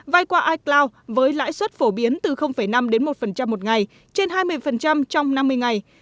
vay qua icloud với lãi suất phổ biến từ năm đến một một ngày trên hai mươi trong năm mươi ngày